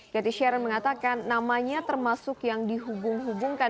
gatty sharon mengatakan namanya termasuk yang dihubung hubungkan